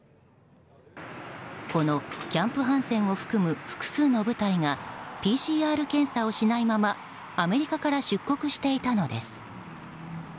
このキャンプ・ハンセンを含む複数の部隊がＰＣＲ検査をしないままアメリカから出国していたのです。